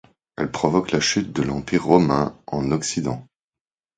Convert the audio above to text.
Elles provoquent la chute de l'Empire romain en Occident.